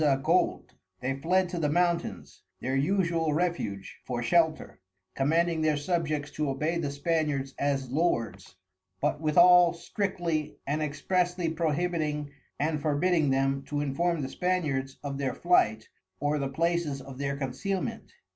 _ Gold, they fled to the Mountains, (their usual Refuge) for shelter, commanding their Subjects to obey the Spaniards, as Lords, but withal strictly and expressly prohibiting and forbidding them, to inform the Spaniards of their Flight, or the Places of their Concealment.